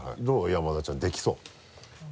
山田ちゃんできそう？